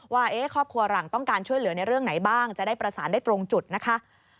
ว่าครอบครัวหลังต้องการช่วยเหลือในเรื่องไหนบ้างจะได้ประสานได้ตรงจุดนะคะ